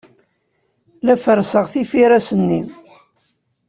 La ferrseɣ tifiras-nni.